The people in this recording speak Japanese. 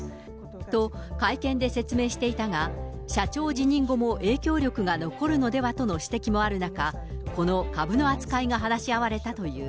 と、会見で説明していたが、社長辞任後も影響力が残るのではとの指摘がある中、この株の扱いが話し合われたという。